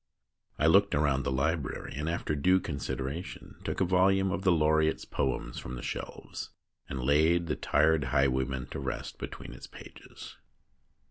I looked round the library, and after due consideration took a volume of the Laureate's poems from the shelves, and laid the tired highwayman to rest between its pages.